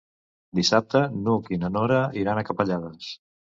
Dissabte n'Hug i na Nora iran a Capellades.